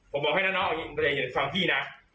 ผมบอกให้นะน้องอย่าเห็นความพี่นะ